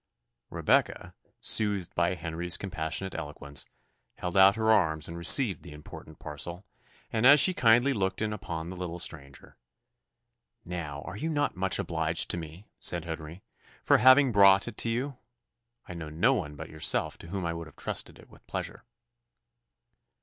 Rebecca, soothed by Henry's compassionate eloquence, held out her arms and received the important parcel; and, as she kindly looked in upon the little stranger, "Now, are not you much obliged to me," said Henry, "for having brought it to you? I know no one but yourself to whom I would have trusted it with pleasure."